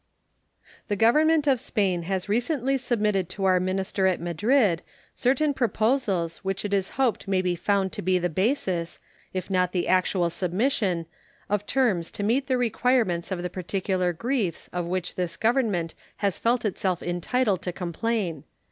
The Government of Spain has recently submitted to our minister at Madrid certain proposals which it is hoped may be found to be the basis, if not the actual submission, of terms to meet the requirements of the particular griefs of which this Government has felt itself entitled to complain.